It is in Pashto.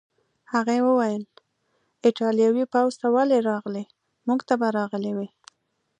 هغې وویل: ایټالوي پوځ ته ولې راغلې؟ موږ ته به راغلی وای.